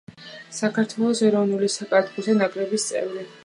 საქართველოს ეროვნული საკალათბურთო ნაკრების წევრი.